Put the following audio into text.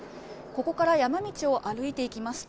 ここから山道を歩いていきます。